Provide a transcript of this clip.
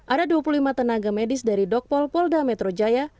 ada dua puluh lima tenaga medis dari dokpol polda metro jaya